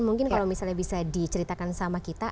mungkin kalau misalnya bisa diceritakan sama kita